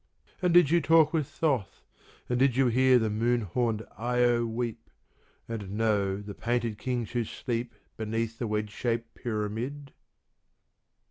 And did you talk with Thoth, and did You hear the moon horned lo weep, And know the painted Kings who sleep Beneath the wedge shaped pyramid